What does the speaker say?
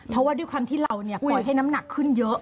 เพราะว่าด้วยความที่เราคอยให้น้ำหนักขึ้นเยอะ